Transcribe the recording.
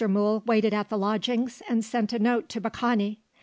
Mool waited at the lodgings, and sent a note to Baccani.